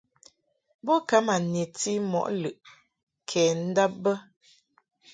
Bo ka ma nebti mɔ lɨʼ kɛ ndab bə.